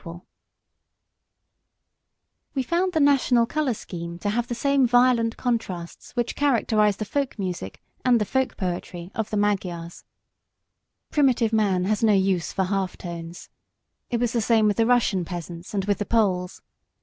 [Illustration: Mrs. Vernon Castle A Fantasy] We found the national colour scheme to have the same violent contrasts which characterise the folk music and the folk poetry of the Magyars. Primitive man has no use for half tones. It was the same with the Russian peasants and with the Poles.